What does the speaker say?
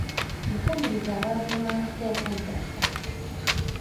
Yakubirizza abaazirwanako okwegatta.